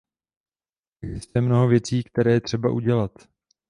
Existuje mnoho věcí, které je třeba udělat.